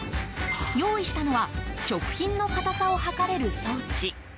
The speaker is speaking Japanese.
用意したのは食品の硬さを測れる装置。